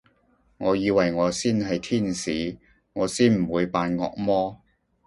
我以為我先係天使，我先唔會扮惡魔